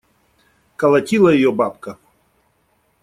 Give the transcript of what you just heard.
Колотила ее бабка.